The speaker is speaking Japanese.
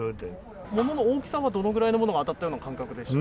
物の大きさは、どのぐらいのものが当たった感覚ですか。